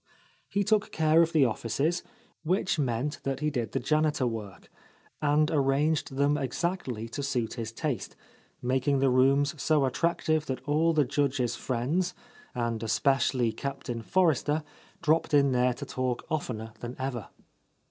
He took care of the offices, which meant that he did the janitor work, and arranged them exactly to suit his taste, making the rooms so attractive that all the Judge's friends, and especially Cap tain Forrester, dropped in there to talk oftener than ever.